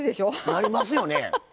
なりますよね。